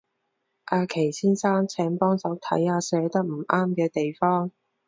阿祁先生，請幫手睇下寫得唔啱嘅地方